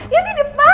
yang di depan